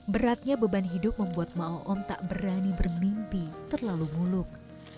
beratnya beban hidup membuat ma'oom tak berani bermimpi terlalu muluk